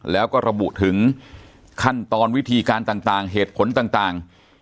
แล้วก็ระบุถึงขั้นตอนวิธีการต่างเหตุผลต่าง